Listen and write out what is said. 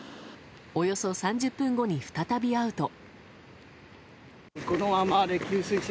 およそ３０分後に再び会うと。